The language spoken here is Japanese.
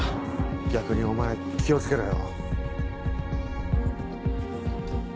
逆にお前気を付けろよ。